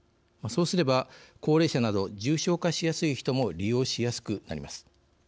そうすれば、高齢者など重症化しやすい人も利用しやすくなります。